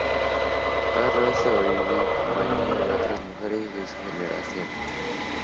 Carla sobrevive en compañía de otras mujeres de su generación.